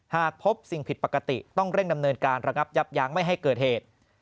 หากพบสิ่งผิดปกติต้องเร่งดำเนินการระงับยับยั้งไม่ให้เกิดเหตุ